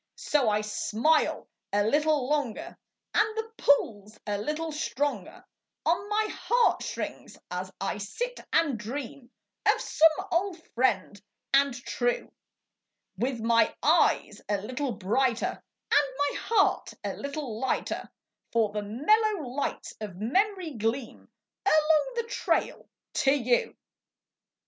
S O I smile a little longer, And the pull's a little stronger On mg heart strings as I sit and ] dream of some old "friend and true °(Dith mg eges a little brighter And mg heart a little lighter, por the mellow lights OT memorij qleam Aloncj the trail to gou.